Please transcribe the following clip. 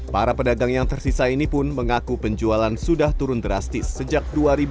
para pedagang yang tersisa ini pun mengaku penjualan sudah turun drastis sejak dua ribu dua